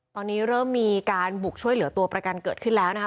ตอนนี้เริ่มมีการบุกช่วยเหลือตัวประกันเกิดขึ้นแล้วนะคะ